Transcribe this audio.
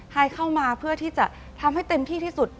ให้เข้ามาเพื่อที่จะทำให้เต็มที่ที่สุด